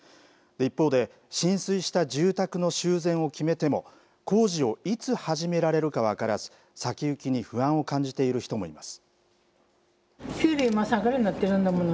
一方で、浸水した住宅の修繕を決めても、工事をいつ始められるか分からず、先行きに不安を感じている人もいます。